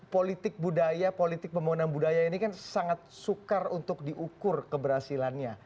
politik budaya politik pembangunan budaya ini kan sangat sukar untuk diukur keberhasilannya